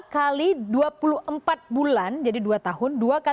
dua kali dua puluh empat bulan jadi dua tahun